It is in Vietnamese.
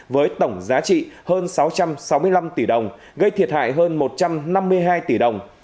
với tổng giá trị hơn sáu trăm sáu mươi năm tỷ đồng gây thiệt hại hơn một trăm năm mươi hai tỷ đồng